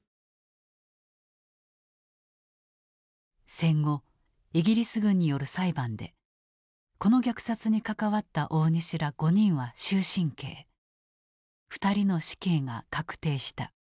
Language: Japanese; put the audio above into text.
戦後イギリス軍による裁判でこの虐殺に関わった大西ら５人は終身刑２人の死刑が確定した。